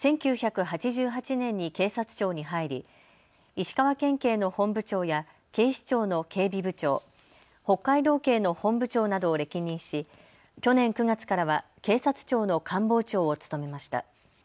１９８８年に警察庁に入り石川県警の本部長や警視庁の警備部長、北海道警の本部長などを歴任し去年９月からは警察庁の官房長を務めました。